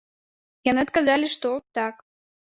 Яны адказалі, што, так.